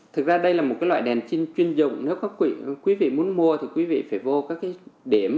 thực ra đây là một loại đèn chuyên dụng nếu quý vị muốn mua thì quý vị phải vô các điểm